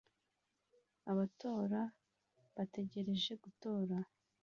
Abatora bategereje gutora